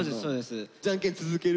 じゃんけん続ける？